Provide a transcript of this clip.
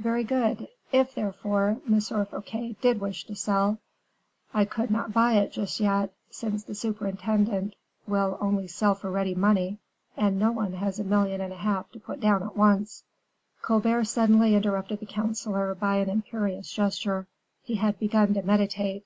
"Very good; if, therefore, M. Fouquet did wish to sell " "I could not buy it just yet, since the superintendent will only sell for ready money, and no one has a million and a half to put down at once." Colbert suddenly interrupted the counselor by an imperious gesture; he had begun to meditate.